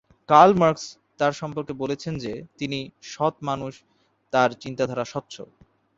Curl Marx তার সম্পর্কে বলেছেন যে, তিনি "সৎ মানুষ, তাঁর চিন্তাধারা স্বচ্ছ"।